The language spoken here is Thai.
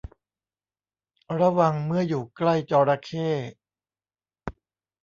ระวังเมื่ออยู่ใกล้จระเข้